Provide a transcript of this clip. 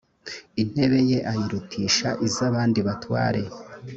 intebe ye ayirutisha izabandi batware.